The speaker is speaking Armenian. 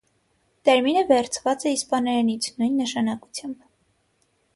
Տերմինը վերցված է իսպաներենից՝ նույն նշանակությամբ։